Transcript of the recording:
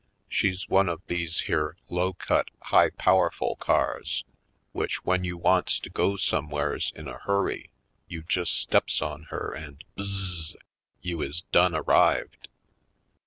She's one of these here low cut, high powerful cars which when you wants to go somewheres in a hurry you just steps on her and — h z z z — you is done arrived!